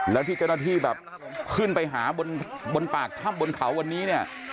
แล้วที่เจ้าหน้าที่แบบขึ้นไปหาบนปากถ้ำบนเขาวันนี้เนี่ย